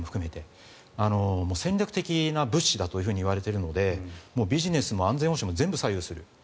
戦略的な物資だと言われているのでビジネスも安全保障も全部左右する。